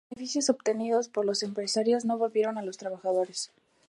Los beneficios obtenidos por los empresarios no volvieron a los trabajadores.